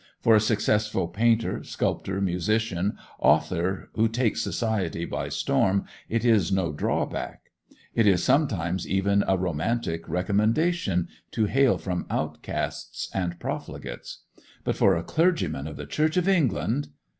For a successful painter, sculptor, musician, author, who takes society by storm, it is no drawback, it is sometimes even a romantic recommendation, to hail from outcasts and profligates. But for a clergyman of the Church of England!